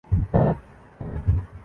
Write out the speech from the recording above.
جہاں بھی ہوں۔